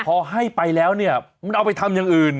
พอให้ไปแล้วเนี่ยมันเอาไปทำอย่างอื่น